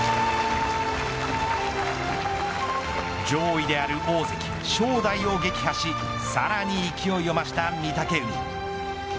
上位である大関、正代を撃破しさらに勢いを増した御嶽海。